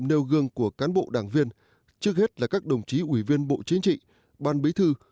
nêu gương của cán bộ đảng viên trước hết là các đồng chí ủy viên bộ chính trị ban bí thư